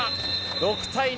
６対２。